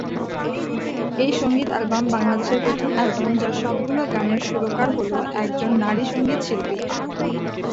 এই সঙ্গীত এলবাম বাংলাদেশের প্রথম এলবাম যার সবগুলো গানের সুরকার হল একজন নারী সঙ্গীত শিল্পী।